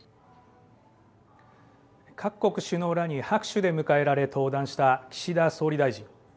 各国首脳らに拍手で迎えられ登壇した岸田総理大臣。